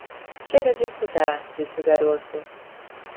Chega de estudar, disse o garoto.